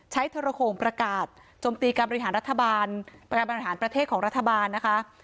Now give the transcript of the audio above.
ใช้ธรโครงประกาศจมตีการบริหารประเทศของรัฐบาลนะคะ